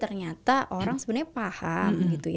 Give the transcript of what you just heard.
ternyata orang sebenarnya paham